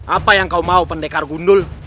apa yang kau mau pendekar gundul